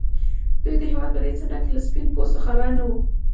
دوی د هېواد په دې څنډه کې له سپين پوستو خبر نه وو.